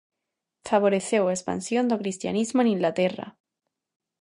Favoreceu a expansión do cristianismo en Inglaterra.